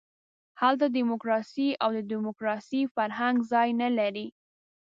هلته ډیموکراسي او د ډیموکراسۍ فرهنګ ځای نه لري.